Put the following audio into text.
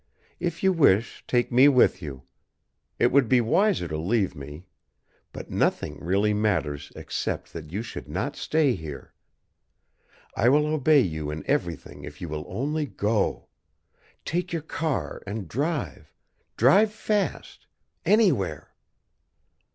If you wish, take me with you. It would be wiser to leave me. But nothing really matters except that you should not stay here. I will obey you in everything if you will only go. Take your car and drive drive fast anywhere!"